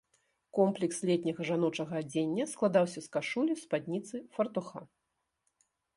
Комплекс летняга жаночага адзення складаўся з кашулі, спадніцы, фартуха.